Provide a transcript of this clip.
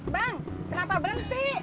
bang kenapa berhenti